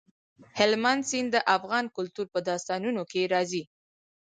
هلمند سیند د افغان کلتور په داستانونو کې راځي.